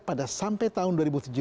pada sampai tahun dua ribu tujuh belas